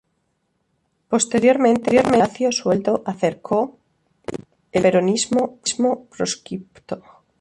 Posteriormente Horacio Sueldo acercó al peronismo proscripto.